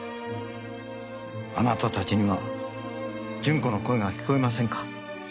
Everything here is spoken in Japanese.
「あなたたちには順子の声が聞こえませんか」